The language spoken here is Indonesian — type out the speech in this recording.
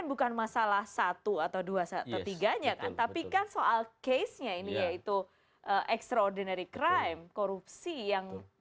berantasnya selama ini kan